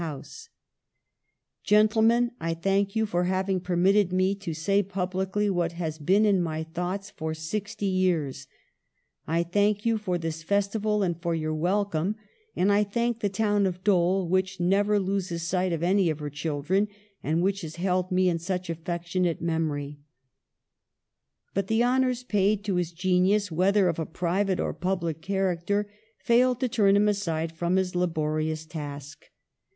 THE SOVEREIGNTY OF GENIUS 159 "Gentlemen, I thank you for having permit ted me to say publicly what has been in my thoughts for sixty years. I thank you for this festival and for your welcome, and I thank the town of Dole, which never loses sight of any of her children, and which has held me in such affectionate memory/' But the honours paid to his genius, whether of a private or public character, failed to turn him aside from his laborious task.